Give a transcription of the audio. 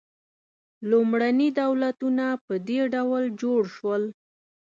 لومړني دولتونه په دې ډول جوړ شول.